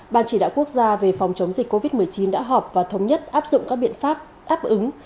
ban chỉ đạo quốc gia về phòng chống dịch covid một mươi chín đã họp và thống nhất áp dụng các biện pháp đáp ứng